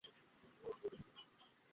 আর নিজেরে তখন success, success, মনে হয়।